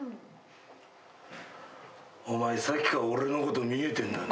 お前さっきから俺のこと見えてんだね。